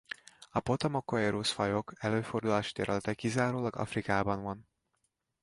A Potamochoerus-fajok előfordulási területe kizárólag Afrikában van.